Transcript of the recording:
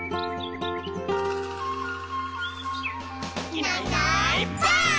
「いないいないばあっ！」